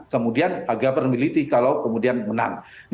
kemudian agar memiliki kalau kemudian menang